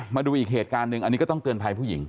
มาดูอีกเหตุการณ์หนึ่งอันนี้ก็ต้องเตือนภัยผู้หญิง